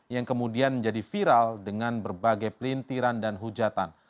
yang kemudian menjadi viral dengan berbagai pelintiran dan hujatan